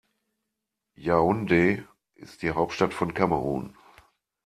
Yaoundé ist die Hauptstadt von Kamerun.